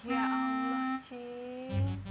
ya allah cik